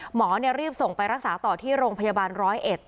หมอรีบส่งไปรักษาต่อที่โรงพยาบาลร้อยเอ็ด